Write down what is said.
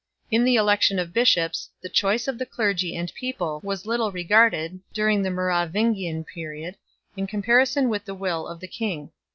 In the election of bishops, the choice of the clergy and people was little regarded, during the Merovingian period, in comparison with the will of the king 2